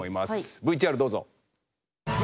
ＶＴＲどうぞ。